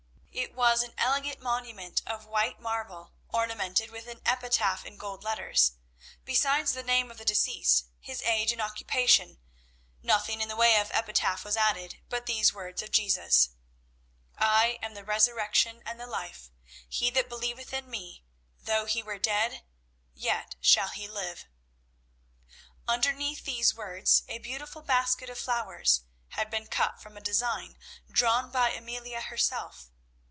It was an elegant monument of white marble, ornamented with an epitaph in gold letters. Besides the name of the deceased, his age and occupation, nothing in the way of epitaph was added but these words of Jesus "I am the Resurrection and the Life: He that believeth in Me, though he were dead, yet shall he live." Underneath these words a beautiful basket of flowers had been cut from a design drawn by Amelia herself.